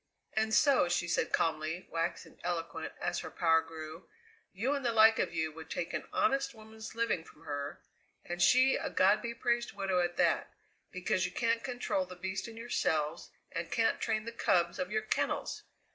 "And so," she said calmly, waxing eloquent as her power grew, "you and the like of you would take an honest woman's living from her, and she a God be praised widow at that, because you can't control the beast in yourselves and can't train the cubs of your kennels!"